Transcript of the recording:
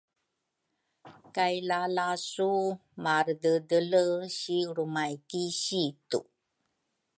kay lalasu marededele si lrumay ki situ.